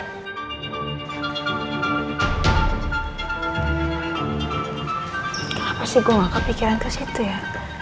kenapa sih gue gak kepikiran terus itu ya